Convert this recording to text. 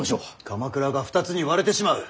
鎌倉が２つに割れてしまう。